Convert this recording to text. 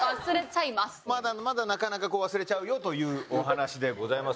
まだなかなか忘れちゃうよというお話でございます。